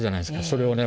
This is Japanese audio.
それをね